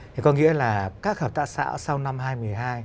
thì có nghĩa là các hợp tác xã sau năm hai nghìn một mươi hai